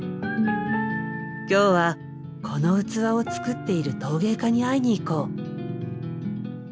今日はこの器を作っている陶芸家に会いに行こう。